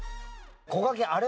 こがけんあれ